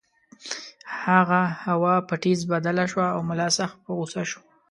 هغه هوا په ټیز بدله شوه او ملا سخت په غُصه شو.